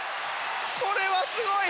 これはすごい！